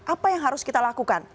apa yang harus kita lakukan